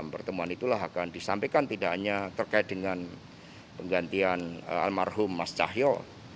pertemuan itulah akan disampaikan tidak hanya terkait dengan penggantian almarhum mas cahyo